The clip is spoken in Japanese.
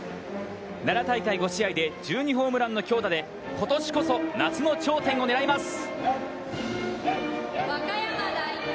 奈良大会５試合で１２ホームランの強打でことしこそ夏の頂点を狙います。